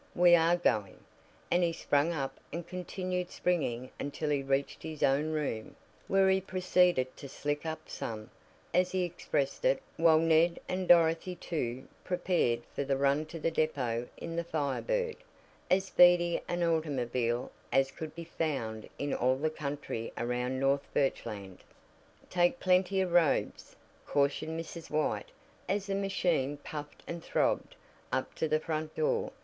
We are going," and he sprang up and continued springing until he reached his own room, where he proceeded to "slick up some," as he expressed it, while Ned, and Dorothy, too, prepared for the run to the depot in the Fire Bird, as speedy an automobile as could be found in all the country around North Birchland. "Take plenty of robes," cautioned Mrs. White as the machine puffed and throbbed up to the front door.